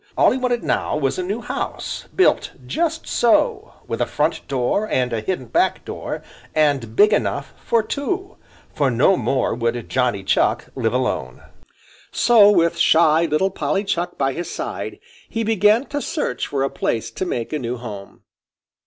All he wanted now was a new house, built just so, with a front door and a hidden back door, and big enough for two, for no more would Johnny Chuck live alone. So, with shy little Polly Chuck by his side, he began to search for a place to make a new home.